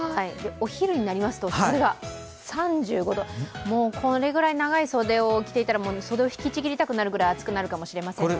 お昼になりますと、これが３５度もうこれぐらい長い袖を着ていたら、袖を引きちぎりたくなるぐらい暑くなるかもしれませんので。